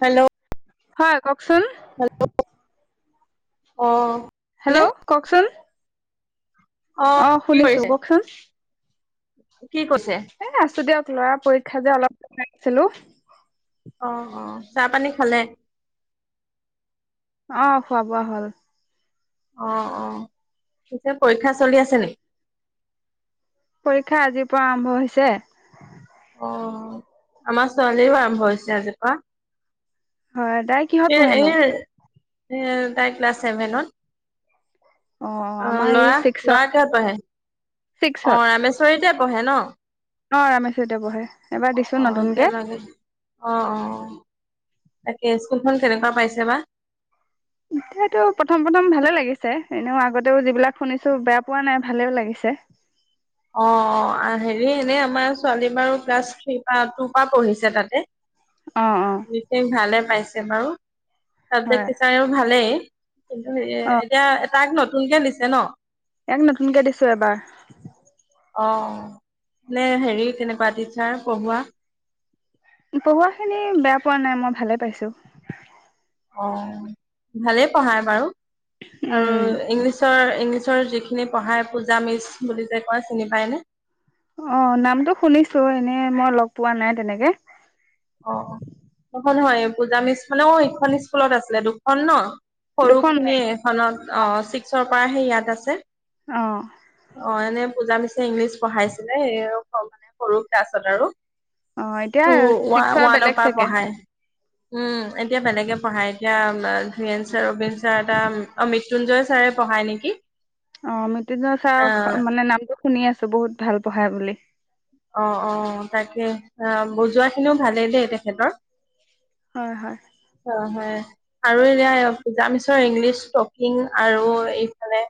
Hello? হয় ককচোন hello, অহ হেল্ল', কওকচোন? অ', কি শুনিছো কৰিছে কওকচোন? কি কৈছে এ আছো দিয়ক লৰা পৰীক্ষা যে অলপ পঢ়াইছিলো অহ অ চাহ পানী খালে অহ খোৱা বোৱা হল অ অ পিছে পৰীক্ষা চলি আছে নেকি পৰীক্ষা আজিৰ পৰা আৰম্ভ হৈছে অ আমাৰ ছোৱালীও আৰম্ভ হৈছে আজিৰপৰা হয় তাই কিহত পঢ়ে নো এ তাই ক্লাছ ছেভেনত অ আমাৰ এই লৰা লৰা ছিক্সত কিহত পঢ়ে অ ছিক্সত ৰামেশ্বৰীতে পঢ়ে ন অ ৰামেশ্বৰিতে পঢ়ে এবাৰ দিছো অ নতুনকে একেলগে অ অ তাকে স্কুলখন কেনেকোৱা পাইছে বা এতিয়াটো প্ৰথম প্ৰথম ভালে লাগিছে এনেও আগতেও যিবিলাক শুনিছো বেয়া পোৱা নাই ভালেও লাগিছে অ হেৰি এনে আমাৰ ছোৱালী বাৰু ক্লাছ থ্ৰী পা টু পা পঢ়িছে তাতে অ অ মিটিং ভালে পাই ছে বাৰু হয় চাবজেক্ট টিচাৰেও ভালেই কিন্তু সেয়া অ এতিয়া তাক নতু নকে দিছে ন ইয়াক নতুনকে দিছো এবাৰ অ এনে হেৰি কেনেকোৱা টিচাৰ পঢ়োৱা পঢ়োৱা খিনি বেয়া পোৱা নাই মই ভালে পাইছো অ ভালেই পঢ়ায় বাৰু আৰু উম ইংলিছৰ ইংলিছৰ যিখিনি পঢ়াই পূজা মিচ বুলি যে কয় চিনি পায়নে অ নামটো শুনিছো এনেই মই লগ পোৱা নাই তেনেকে অ নহয় নহয় পূজা মিচ মানে অ এইখন স্কুলত আছিলে দুখন ন সৰু দুখন খিনিয়ে এখনত অ ছিক্সৰ পৰাহে ইয়াত আছে অহ অ এনে পূজা মিচে ইংলিছ পঢ়াইছিলে এই মানে সৰু ক্লাছত আৰু। অ এতিয়া ৱা ছিক্সৰ ওৱানৰ বেলেগ পৰা চাগে পঢ়ায়। উম, এতিয়া বেলেগে পঢ়ায় এতিয়া ধীৰেন ছাৰ, ৰবিন ছাৰ এটা অ মৃত্যুঞ্জয় ছাৰে পঢ়ায় নেকি? অ মিতিদি চাহ আহ মানে নামটো শুনি আছো বহুত ভাল পঢ়াই বুলি। অ অ তাকে, আহ বুজোৱা খিনিও ভালেই দেই তেখেতৰ। হয় হয় অ হয়। আৰু এতিয়া পূজা মিছৰ ইংলিছ টকিং আৰু এইফালে,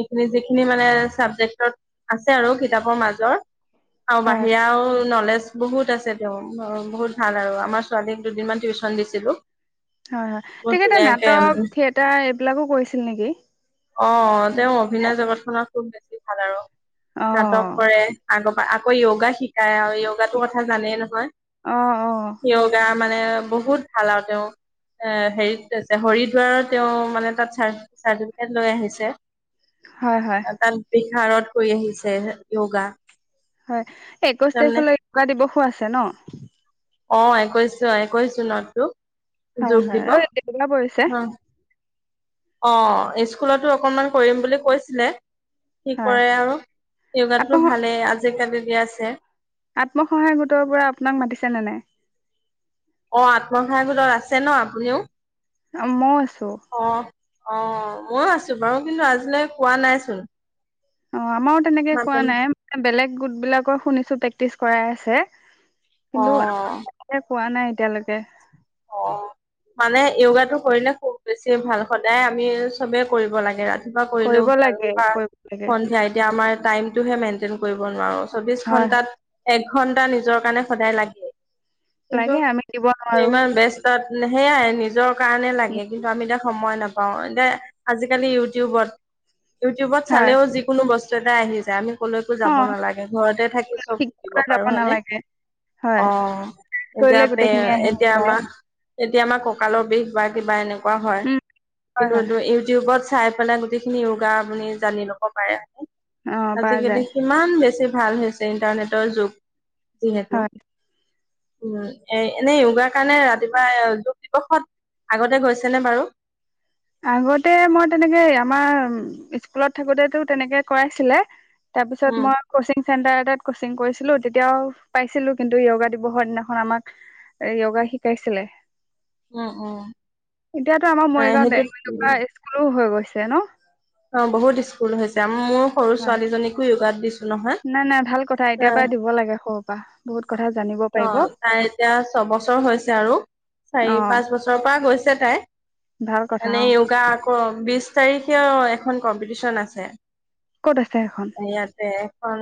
এইখিনি যিখিনি মানে চাবজেক্টত আছে আৰু কিতাপৰ মাজৰ আৰু হয় বাহিৰাও নলেজ বহুত আছে, তেওঁ বহুত ভাল আৰু আমাৰ ছোৱালীক দুদিনমান টিউচন দিছিলো। হয় হয়, বহুত তেখেতে ধুনীয়াকে উম, নাটক, থিয়েটাৰ এইবিলাকো কৰিছিল নেকি? অ' তেওঁ অভিনয় জগতখনত খুব বেছি ভাল আৰু। অ নাটক কৰে আগত আ য়গা শিকাই য়গাটো কথা জানে নহয়, অ অ য়গা মানে বহুত ভাল আৰু তেওঁ, এ হেৰিত হৰিদ্বাৰত তেওঁ মানে তাত চাৰ্টিফিকেট লৈ আহিছে। হয় হয় তাত বিহাৰত কৰি আহিছে য়গা। হয়। একৈশ তাৰিখলৈ য়গা দিৱসো আছে ছেন। অ কৈছো কৈছো ন তোক। হয় হয়, অ দেওবাৰ পৰিছে। অ, স্কুলতো অকনমান কৰিম বুলি কৈছিলে। কি হয় কৰে আৰু, য়গাতো আত্ম ভালেই আজি আজি কালিদি আছে। আত্মসহায়ক গোটৰ পৰা আপোনাক মাতিছে নে নাই? অ আত্মসহায়ক গোটত আছে ন আপুনিও। অ ম অ। অ, ময়ো আছো বাৰু কিন্তু আজিলৈ কোৱা নাইচোন। অ আমাৰো তেনেকে মাত কোৱা নাইে, বেলেগ গোঁ বিলাকৰ শুনিছো প্ৰেক্টিছ কৰাই আছে কিন্তু অ', কোৱা নাই এতিয়ালৈকে অ মানে য়োগাটো কৰিলে খুব বেছি ভাল সদায় আমি চবে কৰিব লাগে ৰাত- তিপুৱা কৰিলেও কৰিব ভাল লাগে পা কৰিব লাগে সন্ধিয়া এতিয়া আমাৰ টাইমটোহে মেইনটেইন কৰিব নোৱাৰোঁ। চৌবিশ হয় হয় ঘণ্টাত এক ঘণ্টা নিজৰ কাৰণে সদায় লাগে। লাগে, আমি দিব নোৱাৰোঁ। ত সেয়াই নিজৰ কাৰণে লাগে, কিন্তু আমি এতিয়া সময় নাপা পাওঁ। এতিয়া আজিকালি ইউটিউবত, ইউটিউবত হয় চালেও যিকোনো বস্তু, যতে আহি যায়। আমি কলৈকো অ যাব নালাগে, ঘৰতে থাকি চব শিকিব শিকিবলৈ যাব পাৰো হয়নে? নালাগে অ, হয় কৰিলে এতিয়া‌ পে গোটেইখিনি আহি এতিয়া যায় আমাক এতিয়া আমাৰ কঁকালৰ বিষ বা কিবা এনে কোৱা হয়। উম হয় কিন্তু হয় এইটো ইউটিউবত চাই পেলাই গোটেইখিনি য়োগা আপুনি জানি ল'ব পাৰে আৰু। অ পৰা আজিকালি যায় কিমান বেছি ভাল হৈছে, ইণ্টাৰনেটৰ যুগ যিহেতো। হয় উম, এ এনেই য়োগাৰ কাৰণে ৰাতি তিপোৱাই যোগ দিৱসত আগতে গৈছেনে বাৰু? আগতে মই তেনেকে, আমাৰ স্কুলত থাকোতেতো তেনেকে কৰাইছিলে। তাৰপিছত উম মই কচিং চেণ্টাৰ এটাত কচিং কৰিছিলো, তেতিয়াও পাইছিলো কিন্তু য়োগা দিৱসৰ দিনাখন আমাক য়োগা শিকাইছিলে। উম উম, এ সেইটোৱেই টো। এনেকা স্কুলো। হৈ গৈছে ন? অ বহুত স্কুল হৈছে, মোৰ সৰু হয় ছোৱালীজনীকো য়োগাত দিছো নহয়। নাই নাই ভাল কথা এতিয়াৰ পৰাই দিব লাগে সৰুৰ পৰা বহুত কথা জানিব অ পাৰিব তাই এতিয়া ছবছৰ হৈছে আৰু, অ চাৰি পাঁচ বছৰৰ পৰা গৈছে ছে তাই। ভাল কথা অ এনেই য়োগা আক বিছ তাৰিখে অ এ খন কম্পিটিশন আছে। ক'ত আছে সেইখন এইয়াতে। খন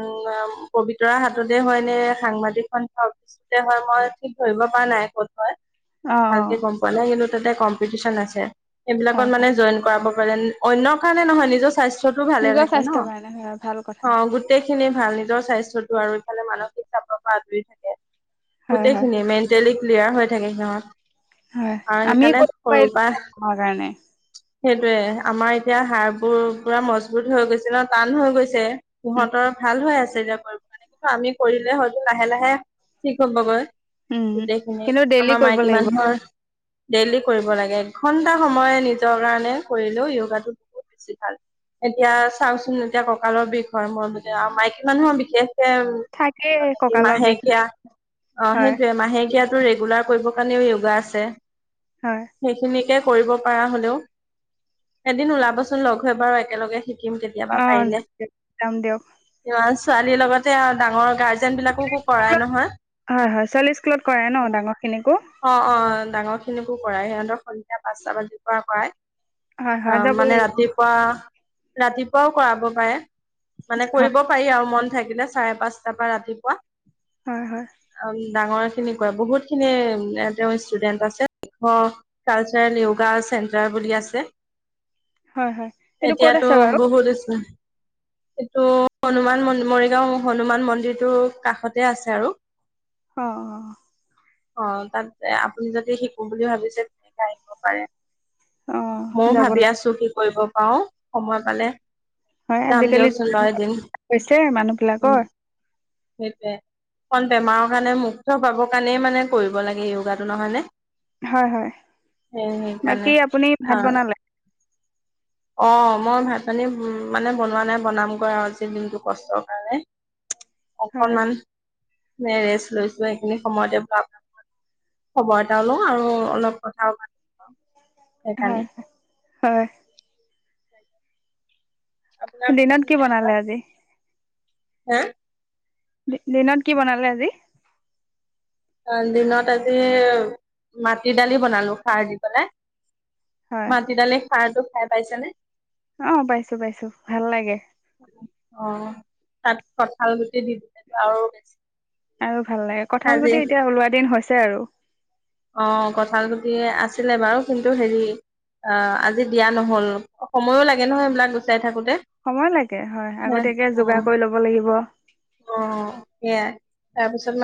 পবিতৰা হাততে হয় নে সাংবাদিক অন হাউছতে হয় মই ঠিক ধৰিব পৰা নাই কত হয়। অ অ ভালকে গম হয় পোৱা নাই কিন্তু তাতে কম্পিটিশ্যন আছে সেইবিলাকত মানে হয় জইন কৰাব অন্য কাৰণে নহয় নিজৰ স্বাস্থ্যতো ভালে নিজৰ থাকে ন স্বাস্থ্যৰ কাৰণে হয় ভাল কথা অ গোটেইখিনি ভাল নিজৰ স্বাস্থ্য তোৰ আৰু ইফালে মানসিক চাপৰ পৰা আজৰি থাকে হয় হয় গোটেইখিনি মেণ্টেলি ক্লিয়াৰ হৈ থাকে সিহঁত হয় আৰু আমি সেইকাৰণে কৰিব সৰুৰ পৰা পাৰিলো আমাৰ কাৰণে সেইটোয়ে আমাৰ এতিয়া শাৰ বোৰ পুৰা মজবুত হৈ গৈছিল ন টান হৈ গৈছে উম সিহঁতৰ ভাল হৈ আছে মানে কিন্তু আমি কৰিলে হয়তো লাহে লাহে ঠিক হ'বগৈ উম গোটেইখিনি কিন্তু ডেইলি আমাৰ কৰিব মাইকী লাগিব মানুহৰ ডেইলি কৰিব লাগে এঘন্টা সময় নিজৰ কাৰণে কৰিলেও য়োগাটো বহুত বেছি ভাল এতিয়া চাওচোন এতিয়া কঁকালৰ বিষ হয় মই বো মাইকী মানুহৰ বিশেষ থাকেই মানে কি কঁকালৰ বিষ মাহেকীয়া নাই। অ হয় সেইটোয়ে মাহেকীয়া টো ৰেগুলাৰ কৰিবৰ কাৰণেও য়োগা আছে হয় সেইখিনি কৰিব পৰা হ'লেও এদিন ওলাব ৰচোন লঘো এবাৰ একেলগে আহিম থাকিম কেতিয়াবা অ পাৰিলে যাম দিয়ক ছোৱালীৰ লগতে ডাঙৰ গা হয় হয় ছোৱালী স্কুলত কৰাই ন ডাঙৰ খিনিকো অ অ ডাঙৰ খিনিকো কৰায় সিহঁতক সন্ধিয়া পাঁচটা বাজিৰ পৰা কৰাই হয় অ হয় যাব মানে লাগিব ৰাতিপুৱা ৰাতিপুৱাও কৰাব পাৰে মানে হয় কৰিব পাৰি আৰু মন থাকিলে চাৰে পাঁচটাৰ পৰা ৰাতিপুৱা হয় হয় ডাঙৰ খিনি কয় বহুতখিনিয়ে তেওঁৰ ষ্টুডেন্ট আছে ৱক টাচেন য়োগা চেণ্টাৰ বুলি আছে হয় হয় এইটো ক'ত এতিয়াতো আছে বাৰু বহুত আছে এইটো হনুমান মন মালিগাওঁ হনুমান মন্দিৰটোৰ কাষতে আছে আৰু অ অ তাত আপুনি যদি শিকো বুলি ভাবিছে তেনেক আহিব পাৰে অ যাব লাগিব কি‌ কৰিব পাও সময় পালে হয় যাম আজিকালি যি দিয়কচোন বাৰু এদিন হৈছে মানুহ বিলাকৰ সেইটোৱে খন বেমাৰৰ কাৰণে মুক্ত পাবৰ কাৰণেই মানে কৰিব লাগে য়োগাটো নহয় নে হয় হয়। সেই সেইকাৰণে বাকী আপুনি ভাত অ বনালে? অ মই ভাত পানী মানে বনোৱা নাই বনামগৈ আৰু আজি দিনটো কষ্টৰ কাৰণে। হয় অকণমান এনে ৰেষ্ট লৈছো এইখিনি সময়তে ভাব খবৰ এটা লওঁ আৰু অলপ কথাও পাতো হয় সেইকাৰণে হয় আপোনাৰ দিনত কি বনালে আজি হা দিনত কি বনালে আজি? অ দিনত আজি মাটি দালি বনালো খাৰ দি পেলাই। হয় মাটিডালে সাৰটো খাই পাইছ নে অ পাইছো পাইছো ভাল লাগে অ তাত কঁঠাল গোটি দি দিছে আৰু আৰু ভাল লাগে কঁঠাল আজি গুটি এতিয়া ওলোৱা দিন হৈছে আৰু অ কঠাল গুটি আছিলে বাৰু কিন্তু হেৰি অ আজি দিয়া নহল সময়ো লাগে নহয় এইবিলাক গুচাই থাকো- সময় লাগে হয় আগতীয়াকে যোগাৰ কৰি ল'ব লাগিব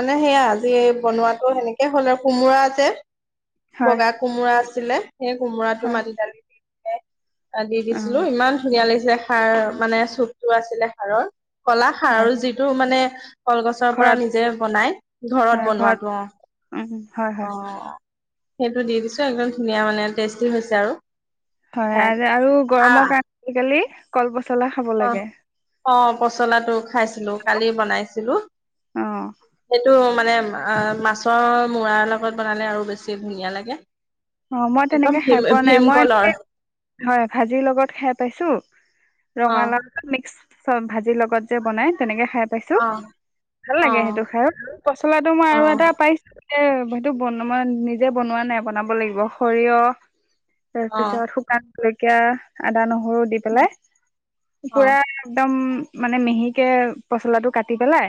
নে সেয়া আজি এই বনোৱাটো সেনেকে হ'ল আৰু কোমোৰা আছে হয় বগা কোমোৰা আ- -ছিলে সেই কোমোৰাটো হয় মাটি দালি- আদি দিছিলো অঁ ইমান ধুনীয়া লাগিছিলে। সাৰ মানে চুপটো আছিলে সাৰৰ কলা সাৰ হয় আৰু যিটো মানে কলগছৰ পৰা ঘৰত নিজে বনাই ঘৰত বনোৱাটো অ উম হয় হয় অ। সেইটো দি দিছো একদম ধুনীয়া মানে টেষ্টি হৈছে আৰু। হয় খাই। আ আৰু আ, গৰমৰ কাৰণে আজিকালি কল প পচলা খাব লাগে। পচলাটোক খাইছিলো, কালি বনাইছিলো অ সেইটো মানে মাছৰ মূৰাৰ লগত বনালে আৰু বেছি ধুনীয়া লাগে। অ মই একদম তেনেকে ভীম খাই পোৱা নাই মই ভীমকলৰ এনে, হয় ভাজিৰ লগত খাই পাইছো অ ৰঙালা ভাজিৰ লগত যে বনাই তেনেকে খাই পাইছো, অ ভাল অ লাগে সেইটো খাই আৰু পচলাটো মই অ আৰু এটা পাইছো সেইটো ব মই নিজে বনোৱা নাই বনাব লাগি ব, সৰিয়হ অ তাৰপিছত শুকান জলকীয়া, আদা নহ হৰু দি পেলাই, অ পুৰা একদম মানে মেহিকে পচলাটো কাটি পেলাই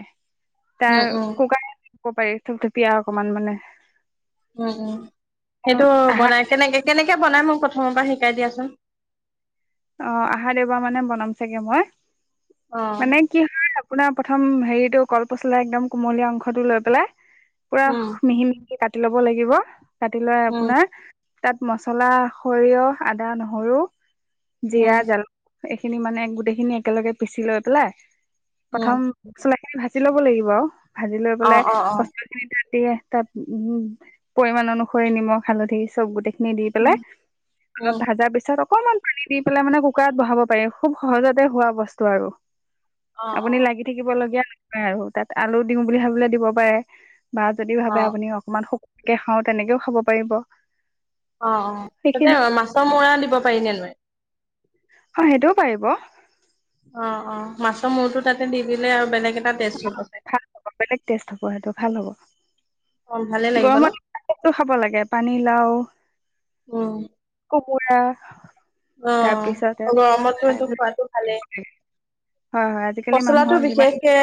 তাৰ উম উম কক ক'ব পাৰি চব থতিয়া অকমান মানে উম উম। সেইটো আহা বনাইছে নেকে কেনেকে বনাই মোক প্ৰথমৰ পৰা শিকাই দিয়াচোন। অ আহা দেওবাৰ মানে বনাম চাগে মই। অ। মানে কি হয় আপোনাৰ প্ৰথম হেৰিটো কলপচলা একদম কুমলীয়া অংশটো লৈ পেলাই পুৰা উম মিহি মিহি কাট ল'ব লাগিব। কাটি লৈ উম আপোনাৰ তাত মছলা, সৰিয়হ, আদা, নহৰু জিয়া উম জাল এইখিনি মানে গোটেইখিনি একেলগে পিচি লৈ পেলাই উম প্ৰথম চে ভাজি ল'ব লাগিব আৰু। ভাজি লৈ অ পেলাই অ অ পচল খিনি তাত এযাত তাত উম পৰিমণ অনুসৰি নিমখ হালধি চব গোটেই দি উম পেলাই উম অলপ ভাজা পিছত অকনমান পানী দি পেলাই মানে কুকাৰত বহাব পাৰি খুব সহজতে হোৱা বস্তু আৰু অ আপুনি লাগি থাকিব লগীয়া ন নাই আৰু তাত আলু দিওঁ বুলি ভাবিলে দিব পাৰে। বা যদি অ অ ভাবে আপুনি অকণমান গুকান কে খাওঁ তেনেকেও খাব পাৰিব। অ-অ, তাতে সেইখিনি মাছৰ মুৰা দিব- পাৰি নে নোৱাৰি? অ' সেইটোও পাৰিব। অ-অ মাছৰ মূৰো তাতে দি দিলে আৰু বেলেগে ভাল হ বেলেগ টেষ্ট হব সেইটো ভাল হ'ব। অ ভালে লাগিব ন গৰমতো ফাকেটো খাব লাগে। পানী লাও, উম', কোমোৰা, অ' তাৰপিছতে হ'ব হয় আমাৰতো খোৱাতটো ভালেই। হয় আজিকালি পচলাটো মানুহৰ যিমান বিশেষকে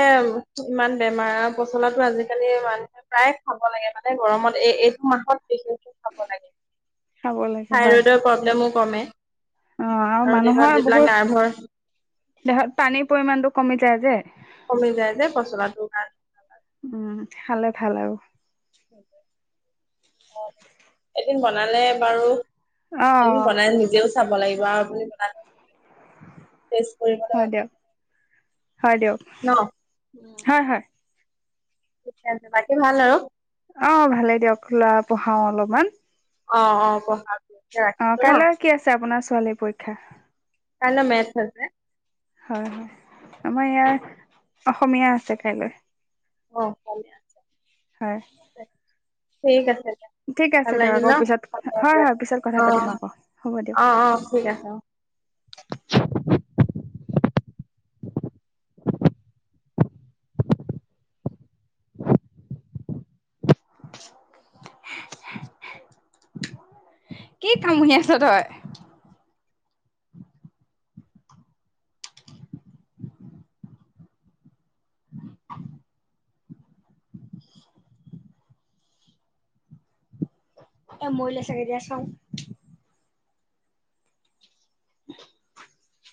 ইমান বেমাৰ পচলাটো আজিকালি মানুহে প্ৰায়ে খাব লাগে, মানে গৰমত এই এইটো মাহত পচলা খাব লাগে খাব লাগে হয় থাইডৰ প্ৰব্লেমো কমে অ' আৰু দেহত মানুহৰ যিবিলাক নাৰ্ভৰ বহুত দেহত পানীৰ পৰিমাণতো কমি যায় যে। কমি যায় যে পচলাটো কাৰনে উম', খালে ভালেও এদিন বনালে বাৰু অ এদিন বনাই নিজেও চাব লাগিব। যোৱা [unintelligible] তেজ হয় পৰিমান দিয়ক হয় দিয়ক হয়-হয়। ঠিক আছে বাকী ভাল আৰু? অ', ভালেই দিয়ক লৰা পঢ়াও অলপমান। অ-অ পঢ়াক। অ', কাইলে কি আছে আপোনাৰ ছো ছোৱালীৰ পৰীক্ষা? কাইলে মেথচ আছে। হয়-হয় আমাৰ ইয়াৰ অসমীয়া আছে কাইলে। অ', অসমীয়া আছে। হয়। ঠিক আছে। দিয়া ঠিক ভাল আছে দিয়ক লাগিল আকৌ ন পিছত হ'ব হয় দিয়া হয় পিছত কথা অ পাতিম আকৌ হ'ব দিয়ক। অ অ ঠিক আছে অ কি কামুহি আছ তই। এ ময়লে চাগে দিয়া চাও। [unintelligible]